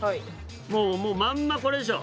もうまんまこれでしょ？